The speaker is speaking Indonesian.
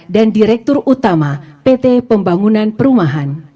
dan direktur utama pt pembangunan perumahan